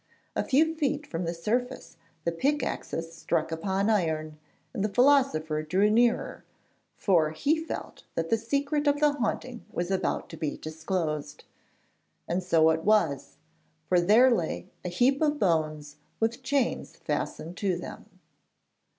A few feet from the surface the pickaxes struck upon iron and the philosopher drew nearer, for he felt that the secret of the haunting was about to be disclosed. And so it was, for there lay a heap of bones with chains fastened to them.